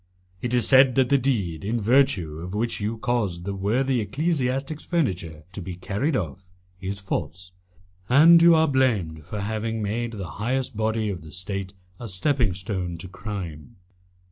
It is said that the deed, in virtue of which you caused the worthy ecclesiastic's furniture to be carried off, is false, and you are blamed for having made the highest body of the State a stepping stone to crime.